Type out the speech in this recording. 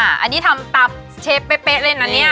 อันนี้ทำตับเชฟเป๊ะเล่นอันนี้